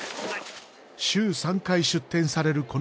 週３回出店される